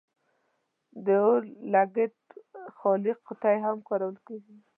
د اور لګیت خالي قطۍ هم کارول کیږي.